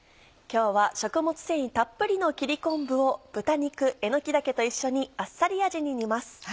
今日は食物繊維たっぷりの切り昆布を豚肉えのき茸と一緒にあっさり味に煮ます。